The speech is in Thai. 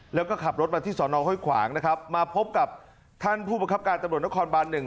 แล้วก็ขับรถมาที่สอนองห้วยขวางนะครับมาพบกับท่านผู้ประคับการตำรวจนครบานหนึ่ง